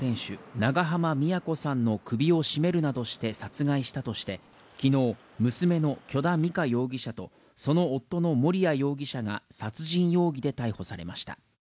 長濱美也子さんの首を絞めるなどして殺害したとしてきのう娘の許田美香容疑者とその夫の盛哉容疑者が殺人容疑で逮捕されました